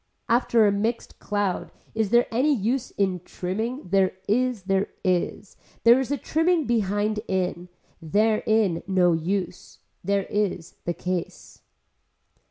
After a mixed cloud is there any use in a trimming, there is, there is. There is a trimming behind in. There in no use. There is the case.